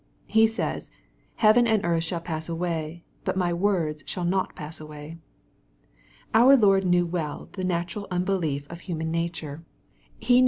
He says, " heaven and earth shall pass away, but my words shall not pass away." Our Lord knew well the natural unbelief of human to very serious objections.